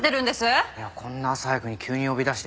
いやこんな朝早くに急に呼び出して。